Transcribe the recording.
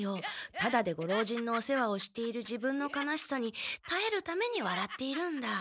タダでご老人のお世話をしている自分の悲しさにたえるためにわらっているんだ。